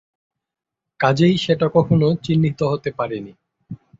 কাজেই সেটা কখনো চিহ্নিত হতে পারে নি।